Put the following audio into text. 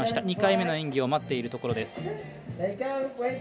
今、２回目の演技を待っているところです。